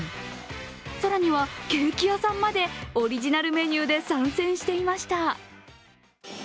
更にはケーキ屋さんまでオリジナルメニューで参戦していました。